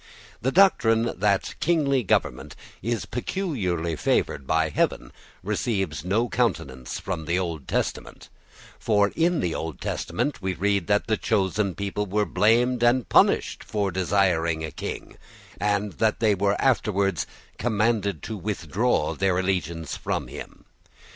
The doctrine that kingly government is peculiarly favoured by Heaven receives no countenance from the Old Testament; for in the Old Testament we read that the chosen people were blamed and punished for desiring a king, and that they were afterwards commanded to withdraw their allegiance from him.